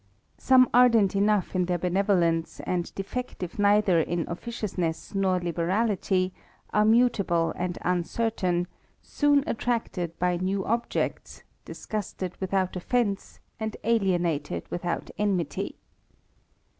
Some ardent enough in their benevolence, and defective neither in oiEciousness nor liberality, are mutable and oncertain, soon attracted by new objects, disgusted without offence, and alienated without enmity.